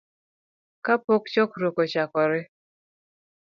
kapok chokruok ochakore.